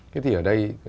thế thì ở đây